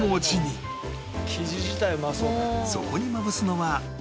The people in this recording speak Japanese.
そこにまぶすのは